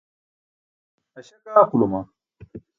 Aśak aaquluma.